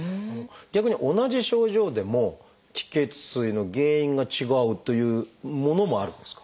逆に同じ症状でも「気・血・水」の原因が違うというものもあるんですか？